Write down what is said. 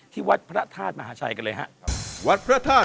พิเศษยังไงอันดันทนี้